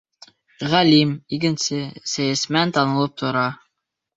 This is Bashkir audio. Ғалим, игенсе, сәйәсмән танылып тора.